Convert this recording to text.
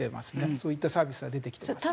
そういったサービスは出てきてます。